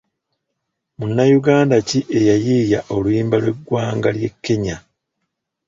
Munnayuganda ki eyayiiya oluyimba lw'eggwanga ly'e Kenya?